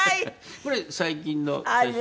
これ最近の写真ですね。